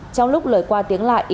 trong lúc lời qua tiếng lại